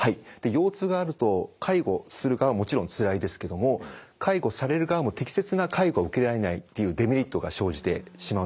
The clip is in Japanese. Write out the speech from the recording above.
腰痛があると介護する側はもちろんつらいですけども介護される側も適切な介護が受けられないっていうデメリットが生じてしまうんですね。